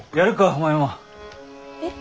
お前も。えっ？